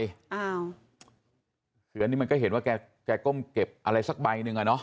อันนี้มันก็เห็นว่าแกก้มเก็บอะไรสักใบหนึ่งอ่ะเนาะ